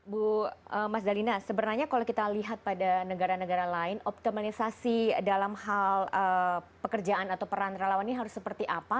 bu mas dalina sebenarnya kalau kita lihat pada negara negara lain optimalisasi dalam hal pekerjaan atau peran relawan ini harus seperti apa